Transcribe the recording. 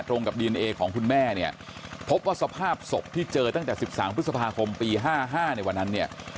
กับดีเอนเอของคุณแม่เนี่ยพบว่าสภาพศพที่เจอตั้งแต่๑๓พฤษภาคมปี๕๕ในวันนั้นเนี่ย